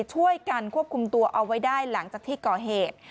ช่วยกันควบคุมตัวเอาไว้ได้หลังจากที่ก่อเหตุ